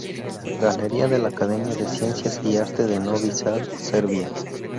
Galería de la Academia de Ciencias y Arte de Novi Sad, Serbia.